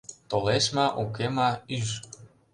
Толеш ма, уке ма — ӱж.